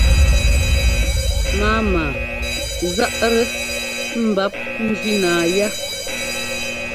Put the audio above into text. Mámaa záʼ-tɛ mbap njínáa yá.